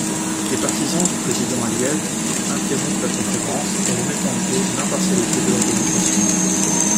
Des partisans du président Aliyev interrompent la conférence, remettant en cause l'impartialité de l'organisation.